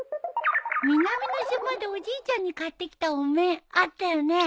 南の島でおじいちゃんに買ってきたお面あったよね？